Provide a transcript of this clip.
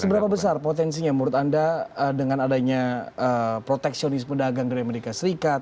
seberapa besar potensinya menurut anda dengan adanya proteksionisme dagang dari amerika serikat